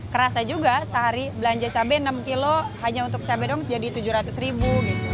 kerasa juga sehari belanja cabai enam kilo hanya untuk cabai doang jadi tujuh ratus ribu